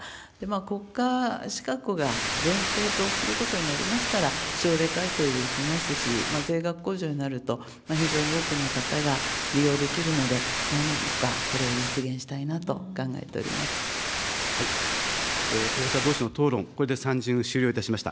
国家資格が前提ということになりましたら、省令改正でできますし、税額控除になると、非常に多くの方が利用できるので、なんとかこれを実現したいなと考候補者どうしの討論、これで３巡、終了しました。